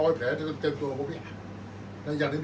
อันไหนที่มันไม่จริงแล้วอาจารย์อยากพูด